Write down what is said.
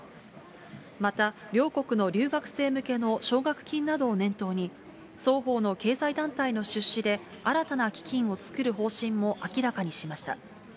また両国の留学生向けの奨学金などを念頭に双方の経済団体の出資で、新たな基金を作る方針も明らかにしました。